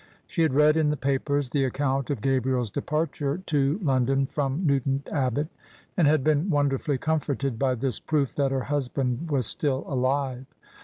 She had read in the papers the account of Gabriel's departure to London from Newton Abbot, and had been wonderfully comforted by this proof that her husband was still alive.